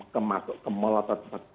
kemasuk ke melotot